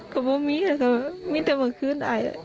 ก็ไม่มีนะครับมีแต่เมื่อคืนอาย